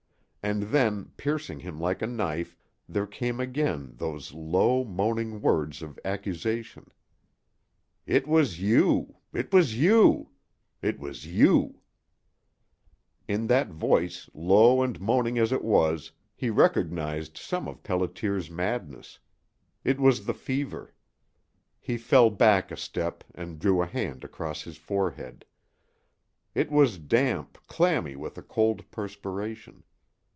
And then, piercing him like a knife, there came again those low, moaning words of accusation: "It was you it was you it was you " In that voice, low and moaning as it was, he recognized some of Pelliter's madness. It was the fever. He fell back a step and drew a hand across his forehead. It was damp, clammy with a cold perspiration.